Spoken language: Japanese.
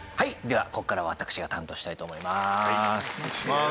ではここからは私が担当したいと思います。